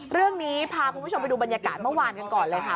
เรื่องนี้พาคุณผู้ชมไปดูบรรยากาศเมื่อวานกันก่อนเลยค่ะ